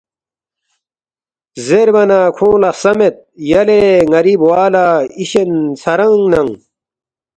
زیربا نہ کھونگ لہ خسمید یلے ن٘ری بوا لہ اِشن ژھرانگ ننگ